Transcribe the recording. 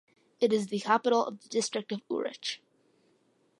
It is the capital of the district of Aurich.